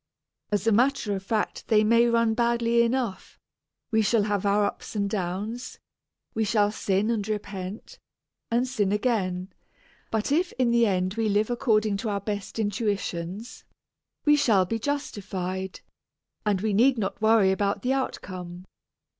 As a matter of fact they may run badly enough; we shall have our ups and downs, we shall sin and repent, and sin again, but if in the end we live according to our best intuitions, we shall be justified, and we need not worry about the outcome.